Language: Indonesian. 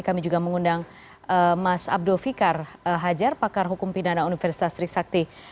kami juga mengundang mas abdo fikar hajar pakar hukum pindana universitas riksakti